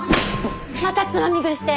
またつまみ食いして！